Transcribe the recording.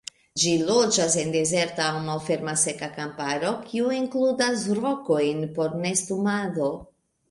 Ĝi loĝas en dezerta aŭ malferma seka kamparo kio inkludas rokojn por nestumado.